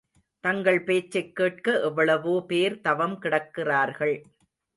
தங்கள் பேச்சைக் கேட்க எவ்வளவோ பேர் தவம் கிடக்கிறார்கள்.